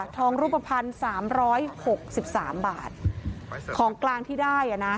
ทองรูปภัณฑ์๓๖๓บาทของกลางที่ได้นะ